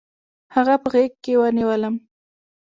هغه په غېږ کې ونیولم.